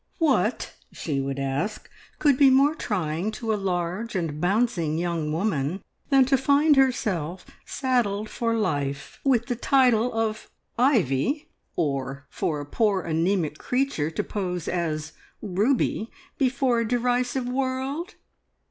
"What," she would ask, "could be more trying to a large and bouncing young woman than to find herself saddled for life with the title of `Ivy,' or for a poor anaemic creature to pose as `Ruby' before a derisive world?"